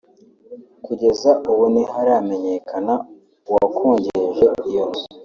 Kugeza ubu ntiharamenyekana uwakongeje iyo nzu